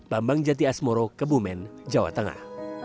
bambang jati asmoro kebumen jawa tengah